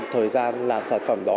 thời gian làm sản phẩm đó